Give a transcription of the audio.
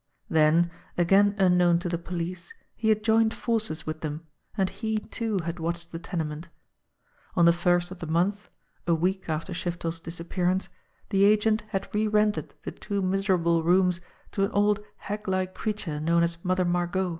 Then, again unknown to the police, he had joined forces with them, and he, too, had watched the tenement. On the first of the month, a week after Shiftel's disappearance, the agent had re rented the two miserable rooms to an old hag Mke creature known as Mother Margot.